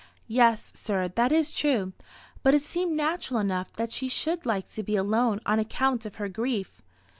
"Yes, sir, that is true. But it seemed natural enough that she should like to be alone on account of her grief."